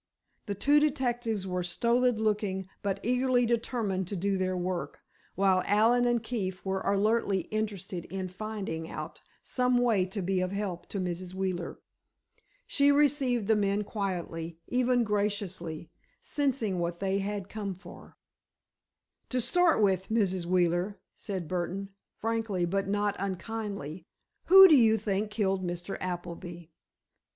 The two detectives were stolid looking, but eagerly determined to do their work, while Allen and Keefe were alertly interested in finding out some way to be of help to Mrs. Wheeler. She received the men quietly, even graciously, sensing what they had come for. "To start with, Mrs. Wheeler," said Burdon, frankly but not unkindly, "who do you think killed Mr. Appleby?"